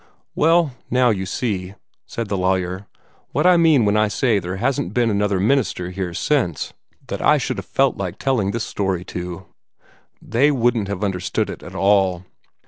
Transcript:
"Well, now you see," said the lawyer, "what I mean when I say that there hasn't been another minister here since, that I should have felt like telling this story to. They wouldn't have understood it at all.